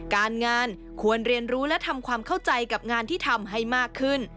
การงานควรเรียนรู้และทำความเข้าใจกับงานที่ทำให้มากขึ้น